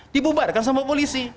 dibubarkan sama polisi